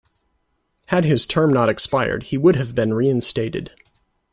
Had his term not expired, he would have been reinstated.